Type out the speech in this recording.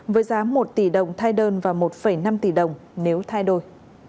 với giá một tỷ đồng thai đơn và một năm tỷ đồng nếu thai đôi